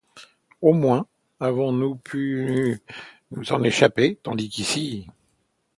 Au moins avons-nous pu nous en échapper... tandis qu’ici...